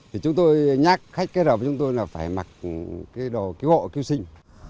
thì chúng tôi nhắc khách kết hợp với chúng tôi là phải mặc cái đồ cứu hộ cứu sinh